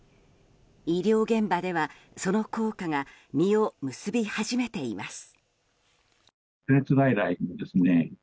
医療現場ではその効果が実を結び始めています。